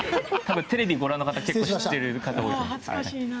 テレビをご覧の方結構知ってると思いますよ。